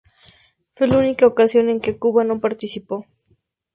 Fue la única ocasión en que Cuba no participó.